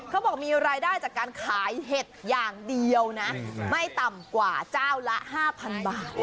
เขาบอกมีรายได้จากการขายเห็ดอย่างเดียวนะไม่ต่ำกว่าเจ้าละ๕๐๐๐บาท